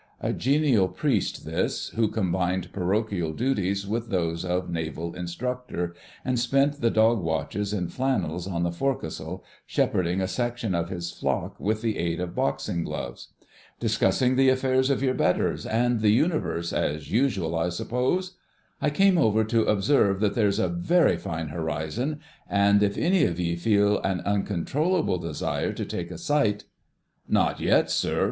A genial priest this, who combined parochial duties with those of Naval Instructor, and spent the dog watches in flannels on the forecastle, shepherding a section of his flock with the aid of boxing gloves. "Discussing the affairs of your betters, and the Universe, as usual, I suppose! I came over to observe that there is a very fine horizon, and if any of ye feel an uncontrollable desire to take a sight——" "Not yet, sir!"